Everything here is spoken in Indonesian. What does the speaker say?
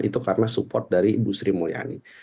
itu karena support dari ibu sri mulyani